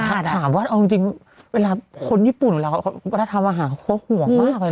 แต่ถามว่าเอาจริงเวลาคนญี่ปุ่นของเราวัฒนธรรมอาหารเขาห่วงมากเลยนะ